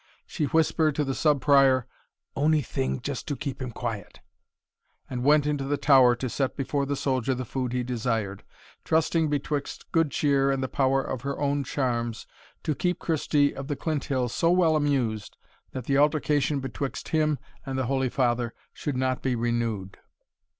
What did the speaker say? She whispered to the Sub Prior, "ony thing just to keep him quiet," and went into the tower to set before the soldier the food he desired, trusting betwixt good cheer and the power of her own charms, to keep Christie of the Clinthill so well amused, that the altercation betwixt him and the holy father should not be renewed.